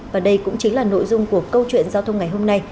và đây cũng chính là nội dung của câu chuyện giao thông ngày hôm nay